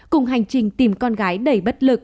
cùng hành trình tìm con gái đầy bất tử